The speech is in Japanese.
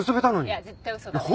いや絶対嘘だね。